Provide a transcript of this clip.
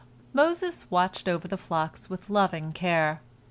Moses watched over the flocks with loving care.